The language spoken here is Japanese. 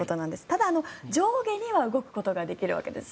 ただ、上下には動くことができるわけです。